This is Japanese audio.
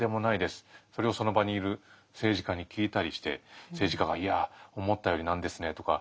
それをその場にいる政治家に聞いたりして政治家が「いや思ったよりなんですね」とか。